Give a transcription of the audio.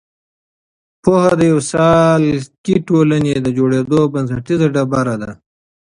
پوهه د یوې سالکې ټولنې د جوړېدو بنسټیزه ډبره ده.